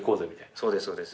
そうですそうです。